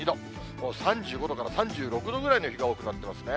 もう３５度から３６度ぐらいの日が多くなっていますね。